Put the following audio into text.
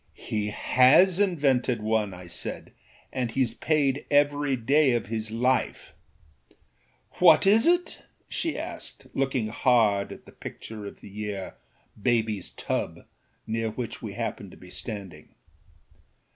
âHe has invented one,â I said, âand heâs paid every day of his life.â âWhat is it?â she asked, looking hard at the picture of the year; âBabyâs Tub,â near which we happened to be standing.